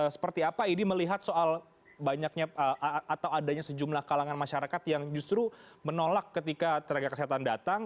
seperti apa ini melihat soal banyaknya atau adanya sejumlah kalangan masyarakat yang justru menolak ketika tenaga kesehatan datang